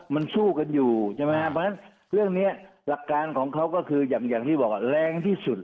มันสู้กันอยู่ใช่ไหมครับเพราะฉะนั้นเรื่องนี้หลักการของเขาก็คืออย่างที่บอกว่าแรงที่สุด